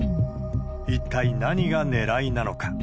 一体何がねらいなのか。